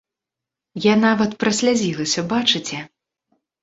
Я нават праслязілася, бачыце?